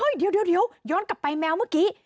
เฮ่ยเดี๋ยวเดี๋ยวย้อนกลับไปแมวเมื่อกี้